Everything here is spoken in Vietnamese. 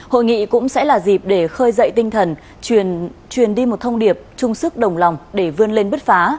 hội nghị cũng sẽ là dịp để khơi dậy tinh thần truyền đi một thông điệp trung sức đồng lòng để vươn lên bứt phá